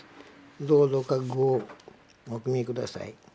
どうぞ覚悟をお決め下さい。